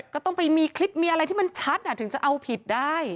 ก็ต้องไปมีคลิปมีอะไรที่มันชัดถึงจะเอาผิดได้